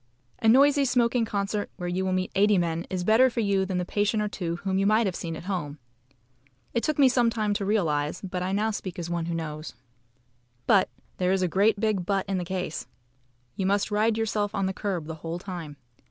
A noisy smoking concert where you will meet eighty men is better for you than the patient or two whom you might have seen at home. It took me some time to realise, but I speak now as one who knows. But there is a great big "but" in the case. You must ride yourself on the curb the whole time.